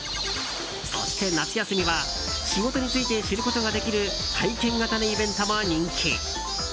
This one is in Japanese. そして夏休みは仕事について知ることができる体験型のイベントも人気。